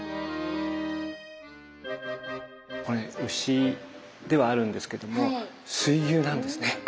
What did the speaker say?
これ牛ではあるんですけども水牛なんですね。